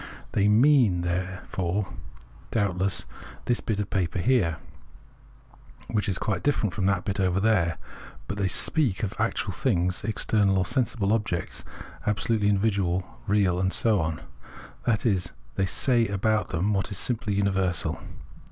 They " mean," then, doubtless this bit of paper here, which is quite different from that bit over there ; but they speak of actual things, external or sensible objects, absolutely individual, real, and so on; that is, they say about them what is simply universal.